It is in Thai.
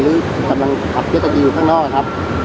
หรือกำลังกลับเย็ดตะกีอยู่ข้างนอกครับ